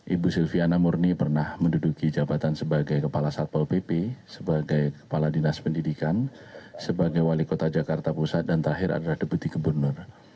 ibu silviana murni pernah menduduki jabatan sebagai kepala satpol pp sebagai kepala dinas pendidikan sebagai wali kota jakarta pusat dan terakhir adalah deputi gubernur